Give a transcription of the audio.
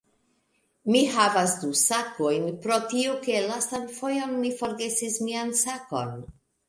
Mi havas du sakojn pro tio, ke lastan fojon mi forgesis mian sakon